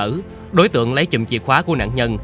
thì đối tượng lấy chìm chìa khóa của nạn nhân